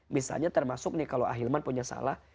misalnya termasuk nih kalau ahilman punya salah